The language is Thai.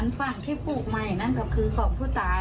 ฝั่งที่ปลูกใหม่นั้นก็คือฝั่งผู้ตาย